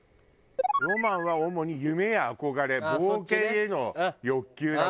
ロマンは主に夢や憧れ冒険への欲求だって。